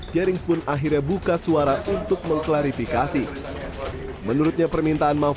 jerings pun akhirnya buka suara untuk mengklarifikasi menurutnya permintaan maaf